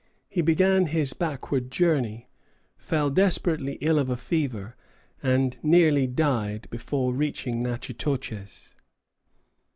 He began his backward journey, fell desperately ill of a fever, and nearly died before reaching Natchitoches.